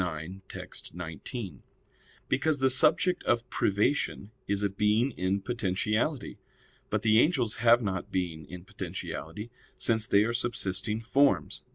ix, text. 19), because the subject of privation is a being in potentiality. But the angels have not being in potentiality, since they are subsisting forms.